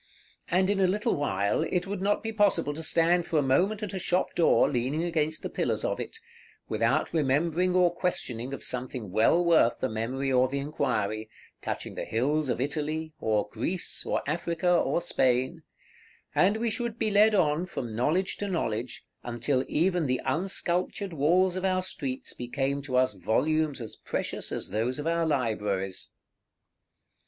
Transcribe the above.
And in a little while, it would not be possible to stand for a moment at a shop door, leaning against the pillars of it, without remembering or questioning of something well worth the memory or the inquiry, touching the hills of Italy, or Greece, or Africa, or Spain; and we should be led on from knowledge to knowledge, until even the unsculptured walls of our streets became to us volumes as precious as those of our libraries.